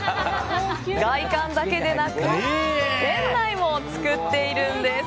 外観だけでなく店内も作っているんです。